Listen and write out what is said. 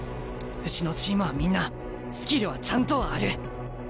うちのチームはみんなスキルはちゃんとある。